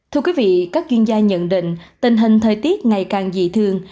thưa quý vị các chuyên gia nhận định tình hình thời tiết ngày càng dị thường